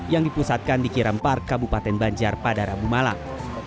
yang dipusatkan di kirampar kabupaten banjar padarabu malang